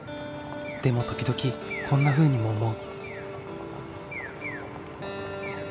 でも時々こんなふうにも思う。